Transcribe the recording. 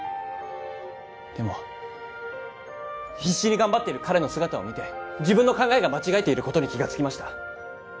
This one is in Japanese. でも必死に頑張っている彼の姿を見て自分の考えが間違えていることに気がつきました